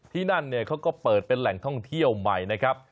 ที่นั่นเนี่ยเขาก็เปิดเป็นแหล่งท่องเที่ยวใหม่นะครับ